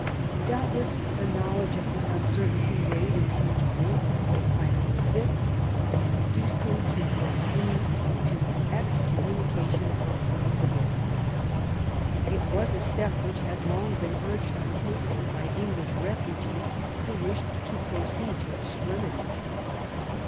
Doubtless the knowledge of this uncertainty weighed in some degree with Pope Pius V., and 132 QUEEN ELIZABETH. induced him to proceed to the excommunication of Elizabeth. It was a step which had long been urged on the Papacy by English refugees, who wished to proceed to extremities.